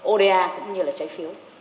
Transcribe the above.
oda cũng như là trái phiếu